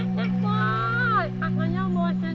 nanti tenang aja